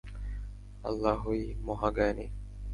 আল্লাহই মহা জ্ঞানী।